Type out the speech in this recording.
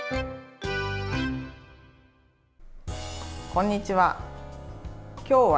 こんにちは。